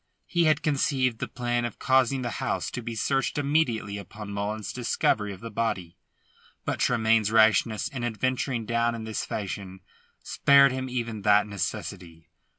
He had conceived the plan of causing the house to be searched immediately upon Mullins's discovery of the body. But Tremayne's rashness in adventuring down in this fashion spared him even that necessity.